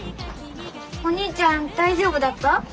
お兄ちゃん大丈夫だった？